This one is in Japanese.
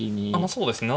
そうですね。